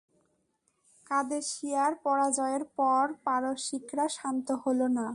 কাদেসিয়ার পরাজয়ের পর পারসিকরা শান্ত হল না।